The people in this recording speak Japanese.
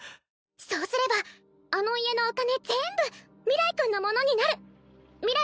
そうすればあの家のお金ぜーんぶ明日君のものになる明日